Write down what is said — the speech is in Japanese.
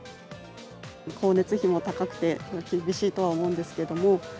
光熱費も高くて、厳しいとは思うんですけれども。